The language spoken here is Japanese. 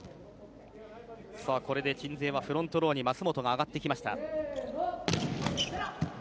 これで鎮西はフロントローに舛本が上がってきました。